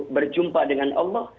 berjumpa dengan allah